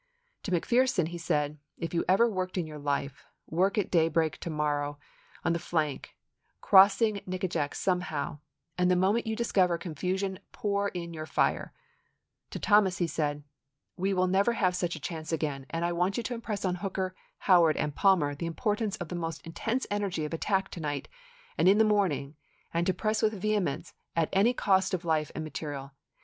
To McPherson he said, " If you ever worked in your life, work at daybreak to morrow on the 26 ABRAHAM LINCOLN chap. i. flank, crossing Nickajack somehow, and the mo Report ment you discover confusion pour in your fire "; to on conduct Thomas he said, " We will never have such a chance of the War. 7 Ju\ h aSam> an(l I want you to impress on Hooker, ™e*£> Howard, and Palmer the importance of the most intense energy of attack to night and in the morn ing, and to press with vehemence at any cost of life and material.